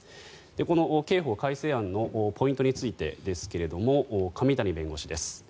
この刑法改正案のポイントについてですが上谷弁護士です。